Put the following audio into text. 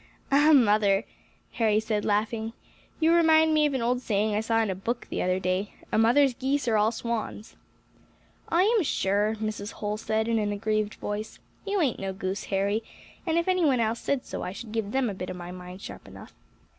"Ah mother!" Harry said, laughing, "you remind me of an old saying I saw in a book the other day, 'A mother's geese are all swans.'" "I am sure," Mrs. Holl said, in an aggrieved voice, "you ain't no goose, Harry, and if any one else said so I should give them a bit of my mind sharp enough."